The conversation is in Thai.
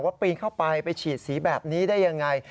ปีนเข้าไปไปฉีดสีแบบนี้ได้ยังไง